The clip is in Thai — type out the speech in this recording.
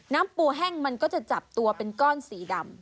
น้ำปูแห้งมันก็จะจับตัวเป็นก้อนสีดำ